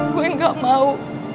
gue gak mau